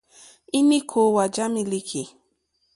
Ínì kòòwà já mílíkì.